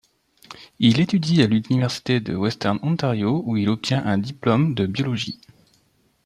Il étudie à l'université de Western Ontario où il obtient un diplôme de biologie.